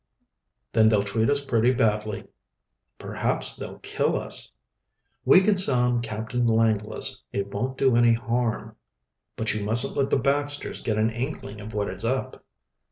"Then they'll treat us pretty badly." "Perhaps they'll kill us." "We can sound Captain Langless it won't do any harm." "But you mustn't let the Baxters get an inkling of what is up."